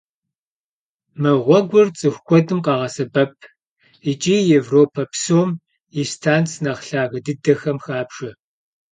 Мы гъуэгур цӀыху куэдым къагъэсэбэп икӀи Европэ псом и станц нэхъ лъагэ дыдэхэм хабжэ.